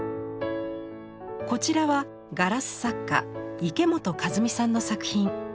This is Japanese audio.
こちらはガラス作家池本一三さんの作品。